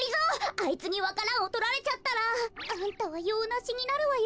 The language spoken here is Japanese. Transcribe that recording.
あいつにわか蘭をとられちゃったらあんたはようなしになるわよ。